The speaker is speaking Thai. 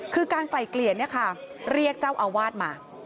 คือการไกล่เกลี่ยเรียกเจ้าอาวาสมา